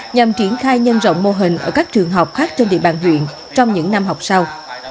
nhằm triển khai nhân rộng mô hình ở các trường học khác trên địa bàn huyện trong những năm học sau